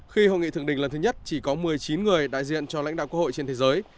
khi hội nghị thượng đỉnh lần thứ nhất chỉ có một mươi chín người đại diện cho lãnh đạo quốc hội trên thế giới